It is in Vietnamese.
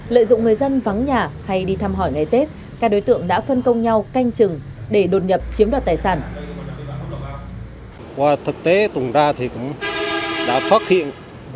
lợi dụng người dân vắng nhà hay đi thăm hỏi ngày tết các đối tượng đã phân công nhau canh chừng để đột nhập chiếm đoạt tài sản